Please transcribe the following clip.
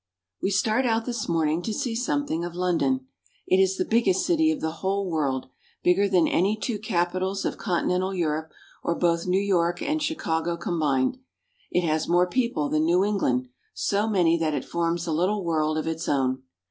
WE start out this morning to see something of Lon don. It is the biggest city of the whole world, bigger than any two capitals of continental Europe, or both New York and Chicago combined. It has more people than New England, so many that it forms a little world of its own.